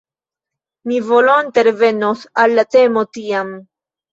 Mi volonte revenos al la temo tiam.